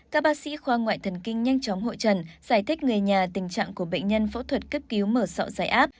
các bác sĩ khoa ngoại thần kinh nhanh chóng hội trần giải thích người nhà tình trạng của bệnh nhân phẫu thuật cấp cứu mở sọ giải áp